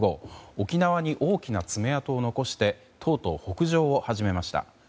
沖縄に大きな爪痕を残してとうとう北上を始めました。